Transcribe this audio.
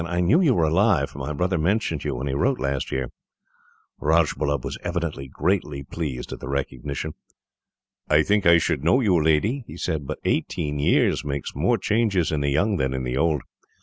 I knew you were alive, for my brother mentioned you when he wrote last year." Rajbullub was evidently greatly pleased at the recognition. "I think I should have known you, lady," he said; "but eighteen years makes more changes in the young than in the old.